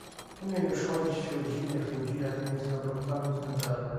"Umiem już chodzić wśród zimnych ludzi, jak między nagrobkami cmentarza."